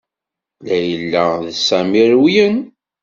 Layla ed Sami rewlen.